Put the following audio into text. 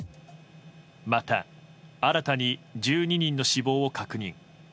また、新たに１２人の死亡を確認。